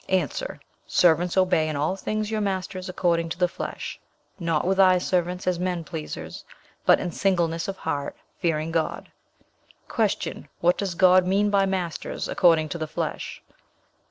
A. 'Servants, obey in all things your masters according to the flesh, not with eye service as men pleasers, but in singleness of heart, fearing God.' "Q. What does God mean by masters according to the flesh?